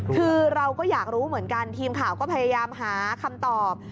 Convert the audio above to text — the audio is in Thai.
คือเราก็อยากรู้เหมือนกันทีมข่าวก็พยายามหาคำตอบ